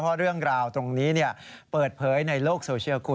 เพราะเรื่องราวตรงนี้เปิดเผยในโลกโซเชียลคุณ